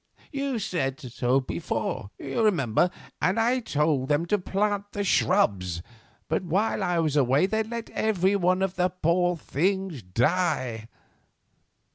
You said so before, you remember, and I told them to plant the shrubs; but while I was away they let every one of the poor things die.